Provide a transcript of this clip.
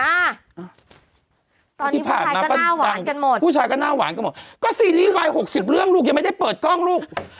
อ่ะตอนนี้ผู้ชายก็น่าหวานกันหมดก็ซีรีส์วายหกสิบเรื่องหลุกยังไม่ได้เปิดกล้องลูก